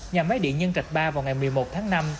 nhà máy điện nhân trạch ba vào ngày một mươi một tháng năm